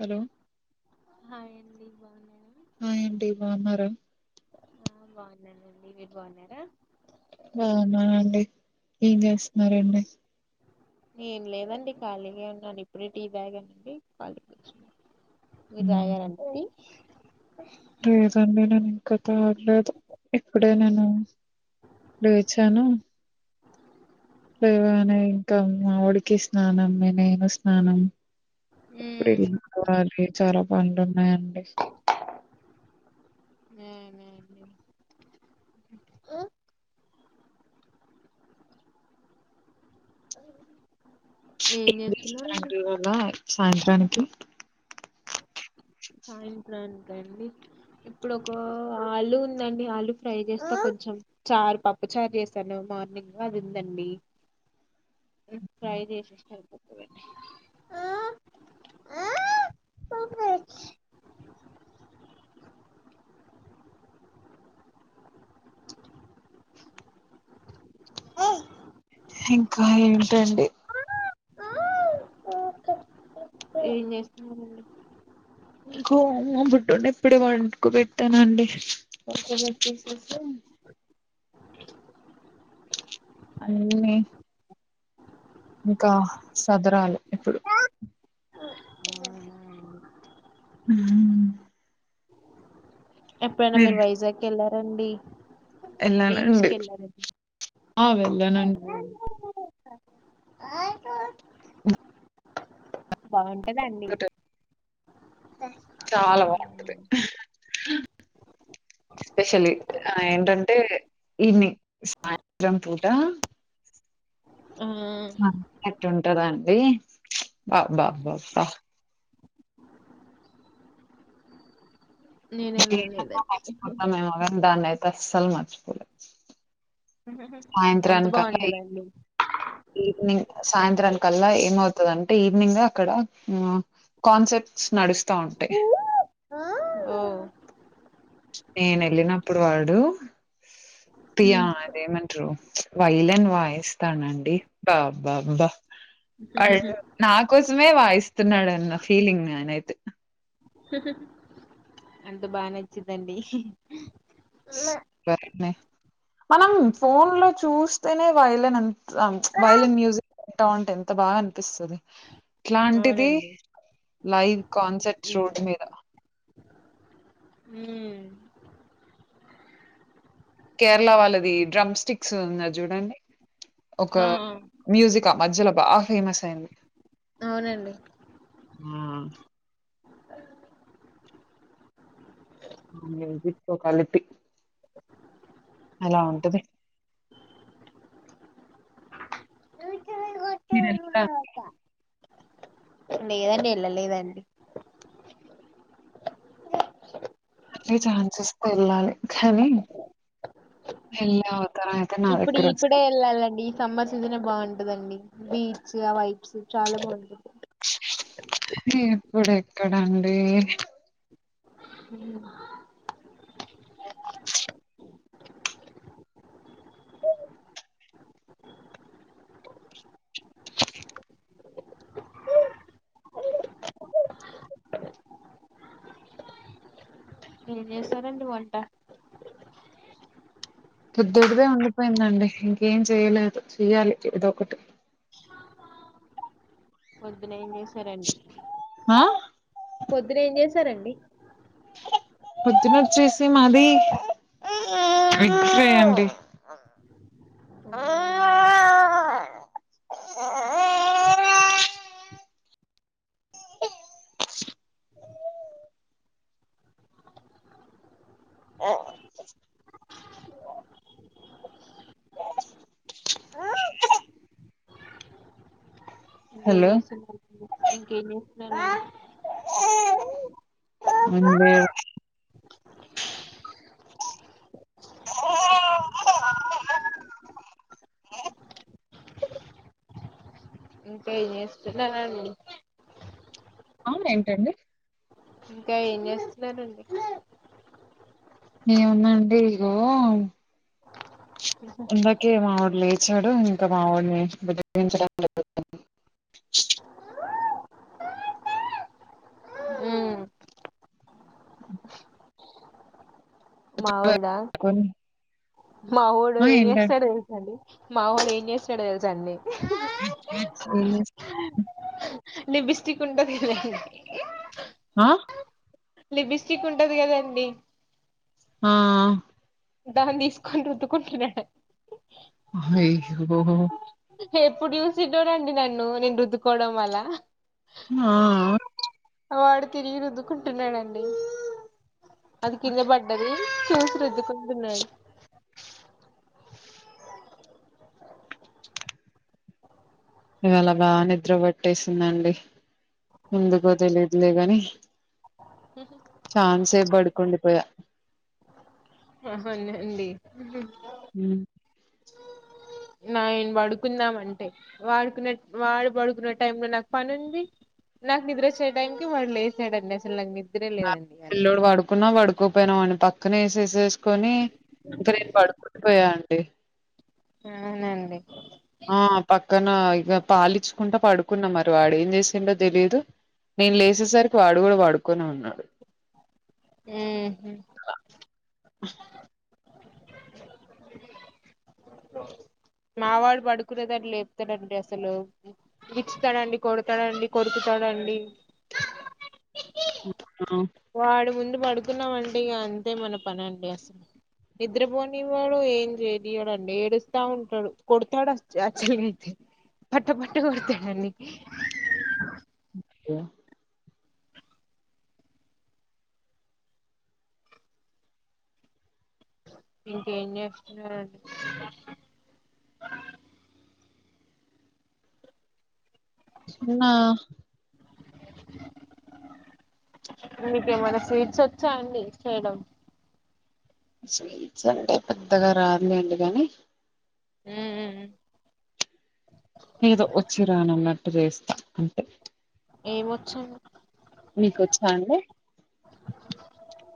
Hello hi అండి బాగున్నారా ఆ ఏంటి బావున్నారా ఆ బాగున్నానండి మీరు బాగున్నారా బాగున్నానండి ఏం చేస్తున్నారండి ఏం లేదండి ఖాళీగే ఉన్నాను ఇప్పుడే టీ తాగాను అండి ఖాళీ కూర్చున్నాను మీరు ఉమ్, తాగారండి టీ లేదండి నేను ఇంకా తాగలేదు ఇప్పుడే నేను లేచాను లేవనే ఇంకా మావోడికి స్నానం మీ నేను స్నానం గుడ్ ఈవినింగ్ మ్యామ్ పన్లు ఉన్నాయండి హ్మ్మ్ మ్మ్ మ్మ్ ఏం చేస్తున్నారండి [inaudible] సాయంత్రానికి ఆ ఇట్లా అంతే అండి ఇప్పుడు ఒక ఆలు ఉందండి ఆలు ఫ్రై చేస్తా కొంచెం చారు పప్పు చారు చేసాను మార్నింగ్ అది ఉందండి ఫ్రై చేసే అయిపోతదండి. హ ఇంకా ఏంటండి ఏం చేస్తున్నారు అండి [unintelligible] బుడ్డోనీ ఇప్పుడే పండుకో పెట్టానండి [unintelligible] అన్ని లైఫ్ ఇంకా సదరాలి ఇప్పుడు రజ హ్మ్ ఎప్పుడైనా మీరు వైజాగ్ వెళ్ళరా రండి ఎళ్ళానండి ఆ వెళ్ళానండి బాగున్ ఎదండి చాలా బావుంటది హా ఎస్పెషల్లీ ఆ ఏంటంటే ఈవినింగ్ సాయంత్రం పూట ఆ [inaudible] కదా అండి బా బా బా బ్బా నేను స్వీట్ అన్న వెళ్ళలేదండి పాయసం అన్నా [unintelligible] అస్సలు నచ్చదు. అంత సాయంత్రానికల్లా బాగుంటదండి ఈవినింగ్ సాయంత్రానికి. మళ్ళా ఏమవుతుదంటే ఈవినింగ్ అక్కడ మ్ కాన్సెర్ప్స్ నడుస్ స్తా ఉంటాయి ఓ నేను వెళ్ళినప్పుడు వాడు. పియా అదేమంటారు వైలన్ వాయిస్తానం టే బ్బా బ్బా బ్బా అది నాకొస్ తుమే వాయిస్ తిన్నాడన్న ఫీలింగ్ నానైతే ఉహ్ ఉహ్ అంత బా నచ్చిందండి ఉష్ బానే మనం ఫోన్ లో చూస్తేనే వైలన్ అం ఆ వైలెన్ మ్యూజిక్ టా ఉంటే ఎంత బా అన్ న్పిస్తది ఇట్లాటిది అవునండి లైవ్ కాన్సెర్ట్ రోడ్ మీద మ్మ్ కేరళ వాళ్ళది డ్రమ్ స్టిక్ సో ఇంక చూడండి ఒక ఆ మ్యూజిక్ ఆ మధ్యలో బా ఫేమస్ అయ్యింది అవునండి మ్ మ్యూజిక్ తో కలిపి అలా ఉంటది [inaudible] మీరెళ్తా లేదండి ఎల్లలేదండి మళ్లీ ఛాన్సొస్తే ఎళ్లాలి. అది వెళ్లాకైతే నా ఇప్పుడు ఇప్పుడే దగ్గరసలు వెళ్ళాలండి ఈ సమ్మర్ సీజనే బావుంటదండి బీచ్ ఆ వైబ్స్ చాలా బావుంటది ఇప్పుడు ఎక్కడండి ఊ [inaudible] ఏం చేస్తారంండి వంట బుద్దుడుదే ఉండిపోయిందండి ఇంకేం చెయలే చెయాలి ఇదో ఒకటి పొద్దున ఏం చేశారండి హ్మ పొద్దున ఏం చేశారండి పోదున్న వచ్చేసి మాది ఎగ్ ఫ్రై అండి అవునండి. ఏం హలో! చేశావ్ ఇంకేం ఏం చేశావ్ ఆ ఏందే [unintelligible] అవునా ఏంటండి ఇంకా ఏం చేస్తున్నారండి ఏముందండి ఇగో ఇందాకే మా లేచాడు ఇంకా మా వాడిని బగించడంతుంది ఉమ్ మావడా మా వాడు ఆ ఏం ఏంటండి చేస్తాడు ఏం [unintelligible] మా వాోడు ఏం చేస్తాడో తెలుసా అండి ఏం చేస్తాడు లిబ్స్టిక్ ఉంటంది కథ ఆ లిబ్స్టిక్ ఉంటది కదండి ఆ దాన్ని తీసుకొని రుద్దుకుంటున్నాడు అండి అయ్యో ఎప్పుడు చూసిడోడంండి నన్ను నేను రుద్దుకోవడం వల్ల ఆ వాడు తిరిగి రుద్దుకుంటున్నాడుండి అది కింద పడ్డది కే శ రద్ధ విన్నాడు ఇవిలా బాగా నిద్ర పట్టేసిందండి ఎందుకో తెలిదులేగాని చాలా సెపు పడుకూండి పోయా న్నండి హ్మ నయను పడుకుందాం అంటే వాడుకున్న వాడు పడుకున్న టైం లో నాకు పని ఉంది నాకు నిద్ర వచ్చే టైంకి వాడు లేసాడుండి అసల పిల్ల్లోడు పడుకున్నా పడుకోపోయినా వాడిని పక్క అక్కనే వేసేసేసుకొని ఇంకా నేను పడుకుండి పోయా అండి తె అవునండి ఆ పక్కన ఇక పాలిచ్చుకుంటా పడుకున్నా మరి వాడేం చేసిండో తెలియదు నేను లేసేసరికి వాడు కూడా పడుకొనే ఉన్నాడు ఉం మావాడు పడుకునేదాన్ని లేపుతాడండి అసలు గిచ్చుతాడంండి కొడతాడంండి కొరు కుతాడంండి హలో వాడు ముందు పడుకున్నామండి ఇక అంతే మన పని అండి నిద్రపోనివ్వడు ఎం చెయ్యనియడు అండి ఏడుస్తావుంటాడు కొడతాడు అచ్చి పట్టా పట్టా కొడతాడండి ఉం ఇంకేం చేస్తున్నారు నా మీకేమనా స్వీట్స్ వచ్చా అండి చేయడం స్వీట్స్ అంటే పెద్దగా రాదు లె అండి గాని హ్మ్ హ్మ్ ఏదో వచ్చి రానన్నట్టు చేస్తా అంటే ఏ వచ్చం మీకు వచ్చా అండి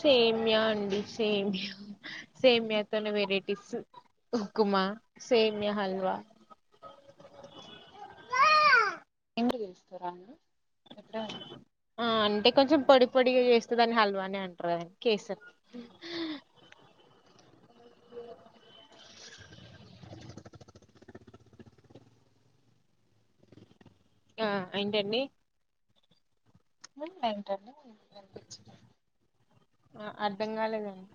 సేమ్యా అండి సేమ్యా డి తెలుసురా అండి ఎప్పుడ అండి ఆ అంటే కొంచెం పొడి పొడిగా చేస్త దాని హల్వానే అంటారుా కేసర్ ఆ ఏంటండి బంట ఆ అర్థంకాలేదండి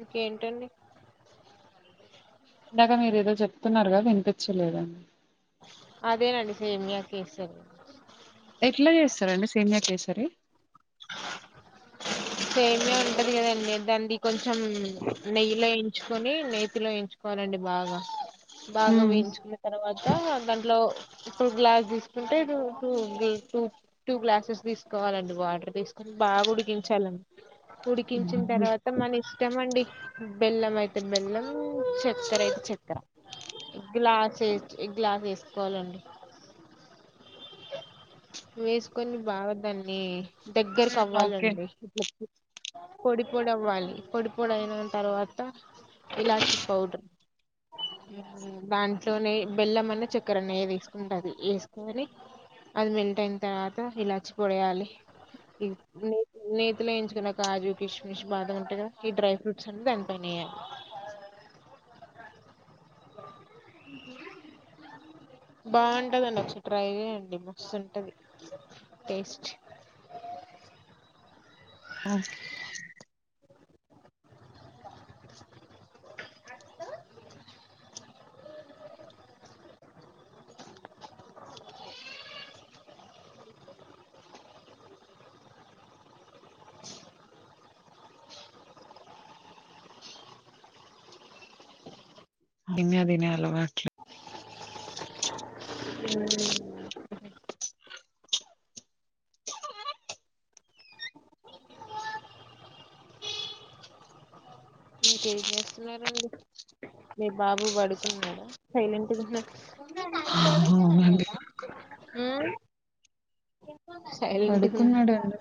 ఈకేటండి ఇందాక మీరు ఏదో చెప్తున్నారుగా వినిపించలేదండి అదే నండి సేమియా కేసర్ ఎట్లా చేస్తారండి సేమ్యా కేసరీ సేమ్యా ఉంటది కదండి దాన్ని కొంచెం నెయ్యిలో ఎంచుకొని నేతిలో వంచుకోవాలండి బాగా బాగా హ్మ్ వేయించుకున్న తర్వాత దాంట్లో ఇప్పుడు గ్లాస్ తీసుకుంటే టూ టూ టూ గ్లాసెస్ తీసుకోవాలండి వాటర్ తీసుకుని బాగా ఉడికించాలండి ఉడికించిన తర్వాత మన ఇష్టమ అండి బెల్లం అయితే బెల్లం చక్కెర అయితే చక్కెర గ్లాస్ వే గ్లాస్ వేసుకోవాలండి వేసుకొని బాగు దాన్ని దగ్గరకు ఓకే అవ్వాలండి పొడి పొడి అవ్వాలి పొడి పొడి అయిన తర్వాత ఇలాచి పౌడర్ దాంట్లోనే బెల్లం అన్న చక్కెర ఏది వేసుకుంటే అది వేసుకొని అది మెల్ట్ అయిన తర్వాత ఇలాచి పొడిేయాలి న నే వేయించుకున్న కాజు కిష్మిష్ బాధంగా ఉంటుందిదా ఈ డ్రై ఫ్రూట్స్ అండి దాని పైనవేయాలి బాగుంటుందండి ఒకసారి ట్రై చేయండి అండి మస్తుంటుంది టేస్ట్ ఓకే అ [inaudible] నిన్న అదే అలవాట్లే మీకేం చేస్తున్నడి మీ బాబు పడుకున్నాార సైలెంట్గా అవునండి పడుకున్నాడండి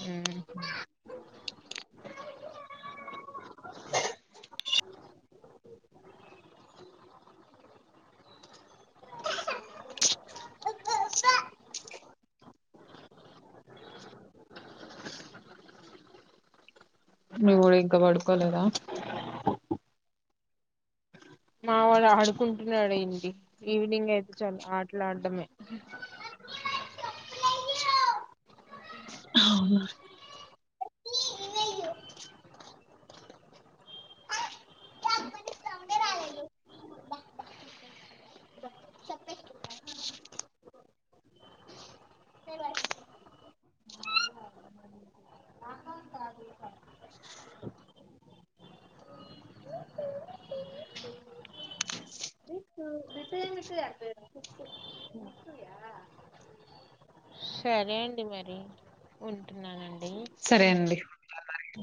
హ్మ్ మీ వోడు ఇంకా పడుకోలేదా మా వాడు ఆడుకుంటున్నాడు ఏంటి ఈవినింగ్ అయితే చాలు ఆటలా ఆడడమే అవునా సరే అండి మరి ఉంటున్నానండి సరే అండి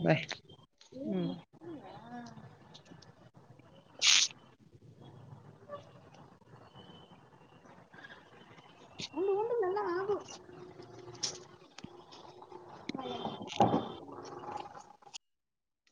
బాయ్ ఉండు ఉండు మెల్ల ఆగు